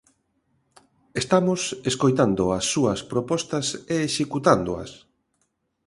Estamos escoitando as súas propostas e executándoas.